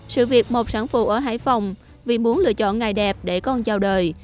sự việc một sản phụ ở hải phòng vì muốn lựa chọn ngày đẹp để con chào đời